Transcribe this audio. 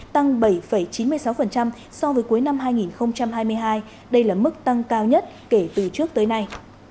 tăng bảy chín mươi sáu so với cuối năm hai nghìn hai mươi hai đây là mức tăng cao nhất kể từ trước tới nay